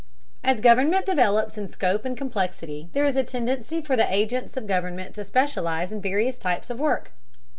As government develops in scope and complexity, there is a tendency for the agents of government to specialize in various types of work.